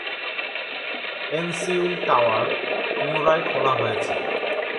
N Seoul tower পুনরায় খোলা হয়েছে।